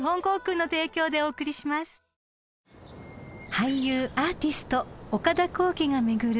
［俳優アーティスト岡田浩暉が巡る